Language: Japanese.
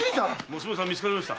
娘さんは見つかりました？